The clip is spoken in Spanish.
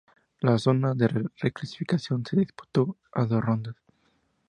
La "zona de reclasificación" se disputó a dos rondas.